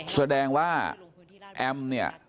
แสดงว่าแอมเนี่ย